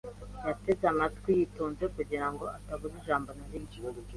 Yateze amatwi yitonze kugira ngo atabura ijambo na rimwe.